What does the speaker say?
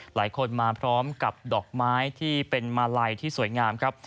หลายคนมาพร้อมกับดอกไม้ที่เป็นมาลัยที่สวยงามครับ